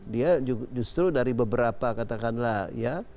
dia justru dari beberapa katakanlah ya